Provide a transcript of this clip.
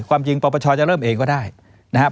ความจริงปปชจะเริ่มเองก็ได้นะครับ